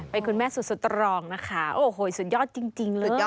เป็นคุณแม่สุดสตรองนะคะโอ้โหสุดยอดจริงเลย